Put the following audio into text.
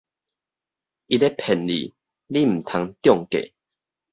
伊咧騙你，你毋通中計